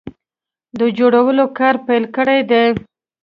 د جوړولو کار پیل کړی دی